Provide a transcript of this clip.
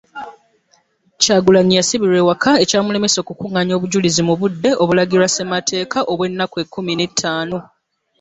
Kyagulanyi yasibirwa ewaka ekyamulemesa okukuŋŋaanya obujulizi mu budde obulagirwa ssemateeka obw’ennaku ekkumi n’etaano.